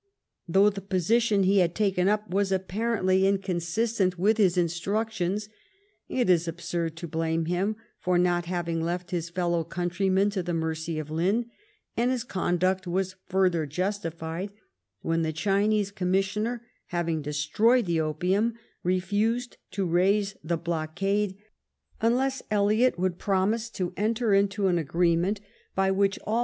Though the position he had taken up was apparently inconsistent with his instructions, it is absurd to blame him for not having left his fellow countrymen to the mercy of Lin; and his conduct was further justified when the Chinese Commissioner, having destroyed the •opium, refused to raise the blockade unless Elliot would promise to enter into an agreement by which all 85 LIFE OF VISCOUNT PALMEB8T0N.